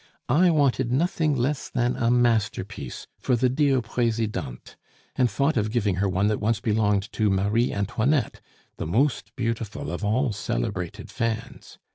I wanted nothing less than a masterpiece for the dear Presidente, and thought of giving her one that once belonged to Marie Antoinette, the most beautiful of all celebrated fans.